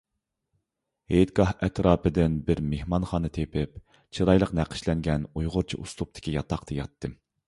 ھېيتگاھ ئەتراپىدىن بىر مېھمانخانا تېپىپ، چىرايلىق نەقىشلەنگەن ئۇيغۇرچە ئۇسلۇبتىكى ياتاقتا ياتتىم.